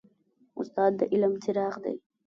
استاد د علم څراغ دی.